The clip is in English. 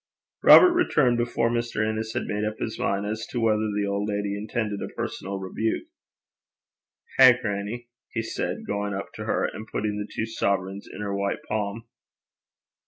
Robert returned before Mr. Innes had made up his mind as to whether the old lady intended a personal rebuke. 'Hae, grannie,' he said, going up to her, and putting the two sovereigns in her white palm.